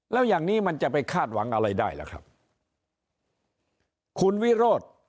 แล้วอย่างนี้มันจะไปคาดหวังอะไรได้ล่ะครับคุณวิโรธ